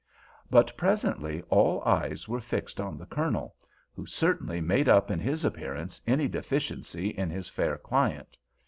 But presently all eyes were fixed on the Colonel, who certainly made up in his appearance any deficiency of his fair client.